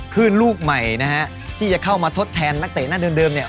คือลูกใหม่ที่จะเข้ามาทดแทนนักเตะหน้าเดิม